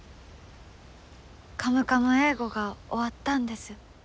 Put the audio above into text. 「カムカム英語」が終わったんです。